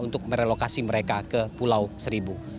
untuk merelokasi mereka ke pulau seribu